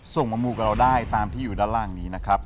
ส่งมามูกับเราได้ตามที่อยู่ด้านล่างนี้นะครับ